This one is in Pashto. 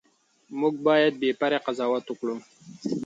موږ باید بې پرې قضاوت وکړو.